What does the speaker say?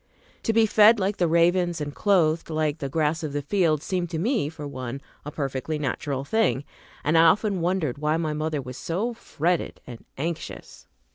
To be fed like the ravens and clothed like the grass of the field seemed to me, for one, a perfectly natural thing, and I often wondered why my mother was so fretted and anxious.